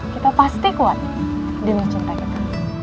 kita pasti kuat dengan cinta kita